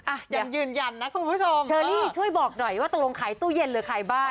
อ่ะยังยืนยันนะคุณผู้ชมเชอรี่ช่วยบอกหน่อยว่าตกลงขายตู้เย็นหรือขายบ้าน